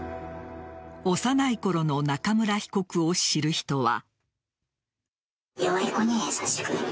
幼いころの中村被告を知る人は。